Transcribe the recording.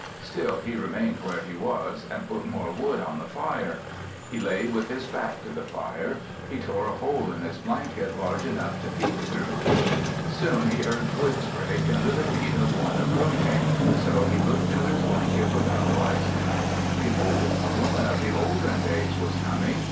Still he remained where he was, and put more wood on the fire. He lay with his back to the fire. He tore a hole in his blanket large enough to peep through. Soon he heard twigs break under the feet of one approaching, so he looked through his blanket without rising. Behold, a woman of the olden days was coming.